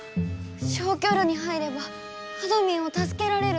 消去炉に入ればあどミンをたすけられる。